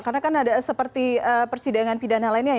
karena kan ada seperti persidangan pidana lainnya